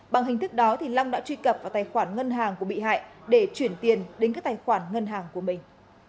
bằng hình thức đó long đã truy cập vào tài khoản ngân hàng của bị hại để chuyển tiền đến các tài khoản ngân hàng của mình